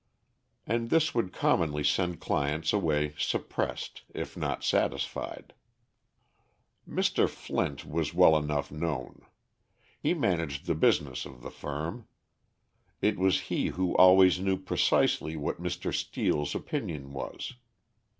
And this would commonly send clients away suppressed, if not satisfied. Mr. Flint was well enough known. He managed the business of the firm. It was he who always knew precisely what Mr. Steel's opinion was.